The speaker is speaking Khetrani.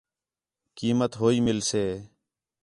قیمت ہو ہی مِلسے